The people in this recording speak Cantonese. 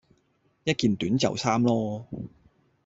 一件短袖衫囉